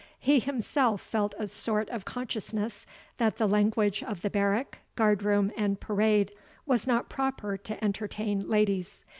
He himself felt a sort of consciousness that the language of the barrack, guard room, and parade, was not proper to entertain ladies.